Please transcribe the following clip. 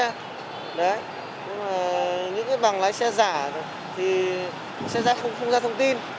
nhưng mà những cái bằng lái xe giả thì xe giả không ra thông tin